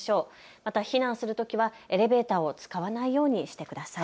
また避難するときはエレベーターを使わないようにしてください。